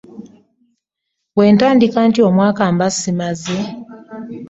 Bwe ntandika nti omwaka mba ssimaze?